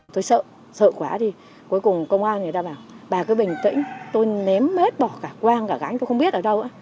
tôi sợ sợ quá thì cuối cùng công an người ta bảo bà cứ bình tĩnh tôi ném hết bỏ cả quang cả gãi tôi không biết ở đâu